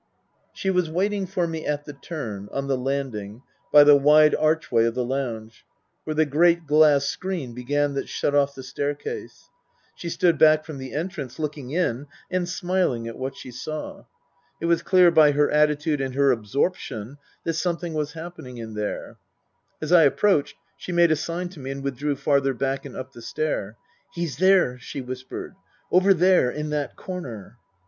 She was waiting for me at the turn, on the landing, by the wide archway of the lounge, where the great glass screen began that shut off the staircase. She stood back from the entrance, looking in, and smiling at what she saw. It was clear by her attitude and her absorption that something was happening in there. As I approached she made a sign to me and withdrew farther back and up the stair. "He's there," she whispered. "Over there. In that corner."